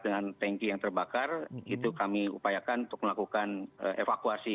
tentu saja tangki yang terbakar itu kami upayakan untuk melakukan evakuasi